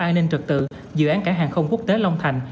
an ninh trật tự dự án cảng hàng không quốc tế long thành